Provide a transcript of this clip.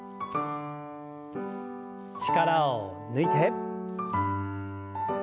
力を抜いて。